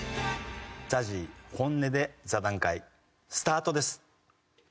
ＺＡＺＹ本音で座談会スタートです。